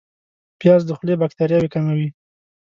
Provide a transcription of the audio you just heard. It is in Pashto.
پیاز د خولې باکتریاوې کموي